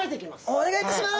お願いします。